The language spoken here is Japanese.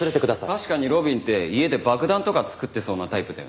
確かに路敏って家で爆弾とか作ってそうなタイプだよね。